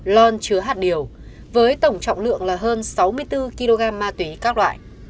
lon chứa hạt điều với tổng trọng lượng là hơn sáu mươi bốn kg ma túy các loại